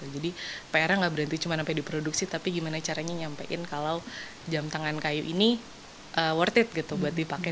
jadi pr nya enggak berhenti cuma sampai diproduksi tapi gimana caranya nyampein kalau jam tangan kayu ini worth it gitu buat dipakai